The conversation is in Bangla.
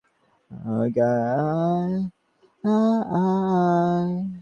উদয়াদিত্য একাকী বসিয়া কি একটা ভাবিতেছিলেন।